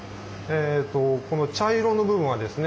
この茶色の部分はですね